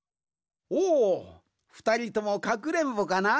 おふたりともかくれんぼかな？